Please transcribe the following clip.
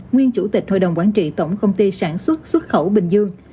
nguyên chủ tịch hội đồng quản trị tổng công ty sản xuất xuất khẩu bình dương